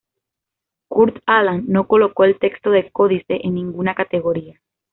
Kurt Aland no colocó el texto del códice en ninguna categoría.